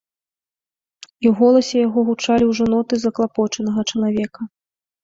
І ў голасе яго гучалі ўжо ноты заклапочанага чалавека.